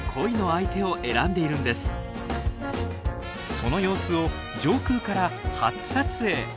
その様子を上空から初撮影。